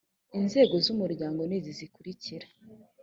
inzego z’umuryango ni izi zikurikira